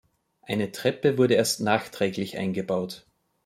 Eine Treppe wurde erst nachträglich eingebaut.